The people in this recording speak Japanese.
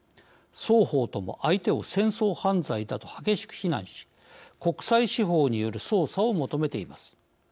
双方とも相手を戦争犯罪だと激しく非難し国際司法による捜査を求めています。